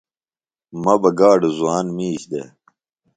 مہ بہ گاڈوۡ زوان مِیش دےۡ